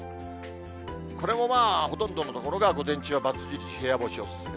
これもまあ、ほとんどの所が午前中は×印、部屋干しお勧め。